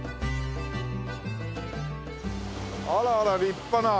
あらあら立派な。